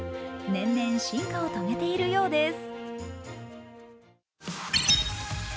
年々進化を遂げているようです。